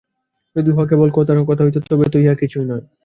যদি উহা কেবল কথার কথা হইত, তবে তো উহা কিছুই নয়।